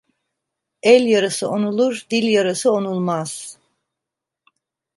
El yarası onulur, dil yarası onulmaz.